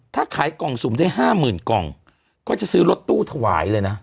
ถ้าขายกล่องสูงได้ห้าหมื่นกล่องก็จะซื้อรถตู้ถวายเลยนะ